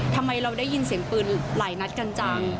ทำไมเราได้ยินเสียงปืนหลายนัดกันจัง